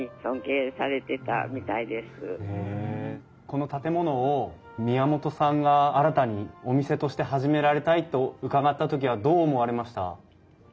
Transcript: この建物を宮本さんが新たにお店として始められたいと伺った時はどう思われました？